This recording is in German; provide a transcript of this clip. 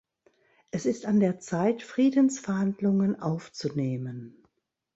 Es ist an der Zeit, Friedensverhandlungen aufzunehmen.